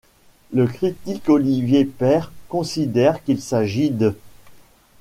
Le critique Olivier Père considère qu'il s'agit d'